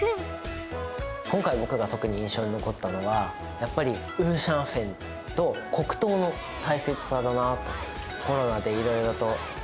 今回、僕が特に印象に残ったのは、やっぱりウーシャンフェンと、黒糖の大切さだなと。